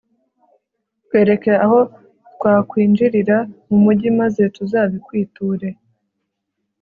twereke aho twakwinjirira mu mugi, maze tuzabikwiture